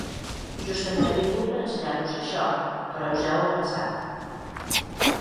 Justament he vingut per ensenyar-vos això, però us heu avançat.